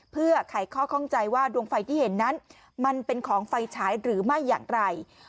เพื่อไขข้อข้องใจว่าดวงไฟที่เห็นนั้นมันเป็นของไฟฉายหรือไม่อย่างไร